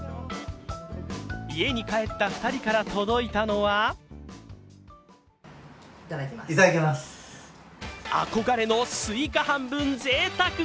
家に帰った２人から届いたのはあこがれのスイカ半分ぜいたく